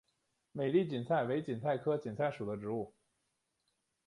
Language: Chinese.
美丽堇菜为堇菜科堇菜属的植物。